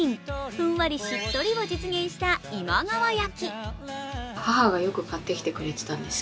ふんわり、しっとりを実現した今川焼。